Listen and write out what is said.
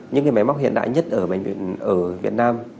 những cái máy móc hiện đại nhất ở bệnh viện việt nam